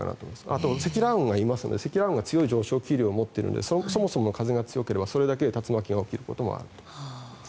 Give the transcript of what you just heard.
あと、積乱雲がいますので積乱雲が強い上昇気流を持っているのでそもそも風が強ければそれだけで竜巻が起きることもあります。